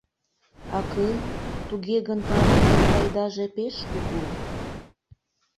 — Акый, туге гын пареҥгын пайдаже пеш кугу!..